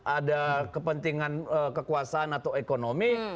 ada kepentingan kekuasaan atau ekonomi